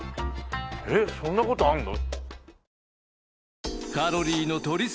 えっそんな事あるの？